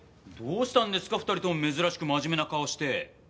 どうしたんですか２人とも珍しく真面目な顔して。